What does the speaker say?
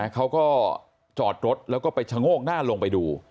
เขาก็จอดรถแล้วก็ไปชะโงกหน้าลงไปดู